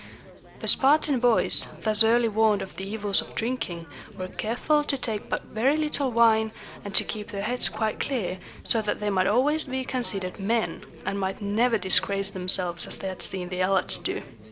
The Spartan boys, thus early warned of the evils of drinking, were careful to take but very little wine, and to keep their heads quite clear, so that they might always be considered men, and might never disgrace themselves as they had seen the Helots do.